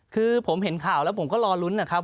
คือผมเห็นข่าวแล้วผมก็รอลุ้นนะครับ